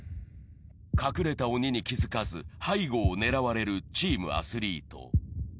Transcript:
隠れた鬼に気付かず背後を狙われるチームアスリート。